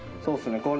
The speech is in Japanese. そうですね。